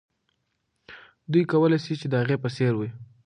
دوی کولای سي چې د هغې په څېر وي.